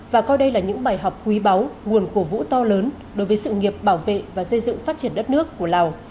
và coi đây là những bài học quý báu nguồn cổ vũ to lớn đối với sự nghiệp bảo vệ và xây dựng phát triển đất nước của lào